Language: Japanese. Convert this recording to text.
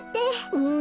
うん。